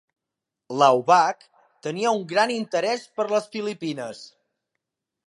Laubach tenia un gran interès per les Filipines.